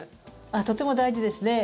とても大事ですね。